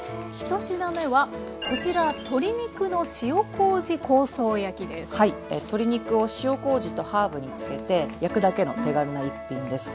１品目はこちら鶏肉を塩こうじとハーブに漬けて焼くだけの手軽な一品です。